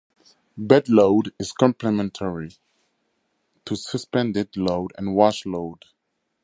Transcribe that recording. Bed load is complementary to suspended load and wash load.